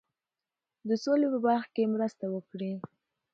د سولي په برخه کې مرسته وکړي.